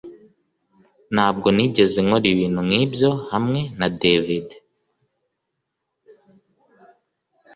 Ntabwo nigeze nkora ibintu nkibyo hamwe na David